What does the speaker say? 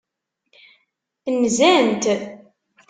Nzant.